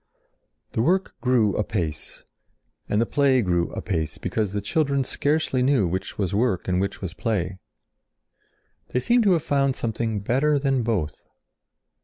The work grew apace. And the play grew apace, because the children scarcely knew which was work and which was play. They seemed to have found something better than both.